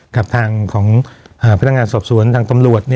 กับทางของพนักงานสอบสวนทางตำรวจ